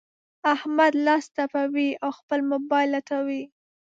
احمد لاس تپوي؛ او خپل مبايل لټوي.